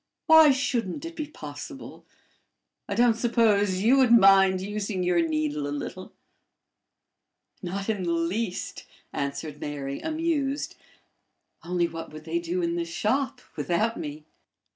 Why shouldn't it be possible? I don't suppose you would mind using your needle a little?" "Not in the least," answered Mary, amused. "Only what would they do in the shop without me?"